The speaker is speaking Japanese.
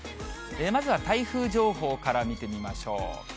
まずは台風情報から見てみましょう。